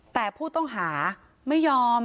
แต่ผู้ต้องหาไม่ยอม